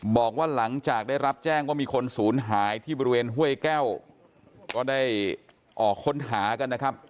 บอกว่าหลังจากได้รับแจ้งว่ามีคนศูนย์หายที่บริเวณห้วยแก้วก็ได้ออกค้นหากันนะครับ